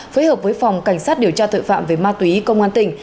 phối hợp với phòng cảnh sát điều tra tội phạm về ma túy công an tỉnh